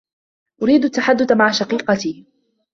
أريد التحدّث مع شقيقتي.